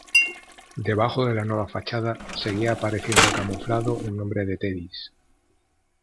Debajo de la nueva fachada seguía apareciendo camuflado el nombre de Teddy’s.